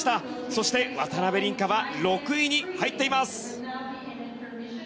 そして、渡辺倫果は６位に入っています。